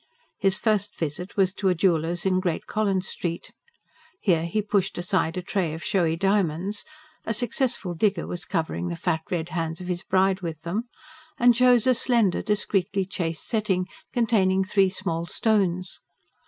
His first visit was to a jeweller's in Great Collins Street. Here, he pushed aside a tray of showy diamonds a successful digger was covering the fat, red hands of his bride with them and chose a slender, discreetly chased setting, containing three small stones.